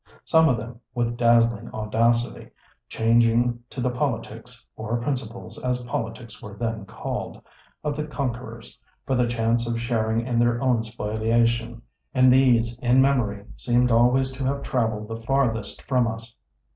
Some of them, with dazzling audacity, chang ing to the politics (or principles, as politics were then called) of the conquerors, for the chance of sharing in their own spoliation. And these, in memory, seemed always to have traveled the farthest from us.